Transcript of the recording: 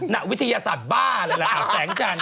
นักวิทยาศาสตร์บ้าเลยล่ะแสงจันทร์